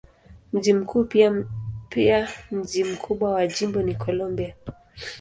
Mji mkuu pia mji mkubwa wa jimbo ni Columbia.